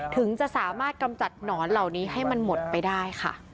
ถึงจะสามารถกำจัดหนอนเหล่านี้ให้มันหมดไปได้ค่ะ